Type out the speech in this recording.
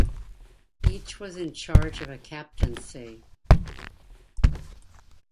Each was in charge of a captaincy.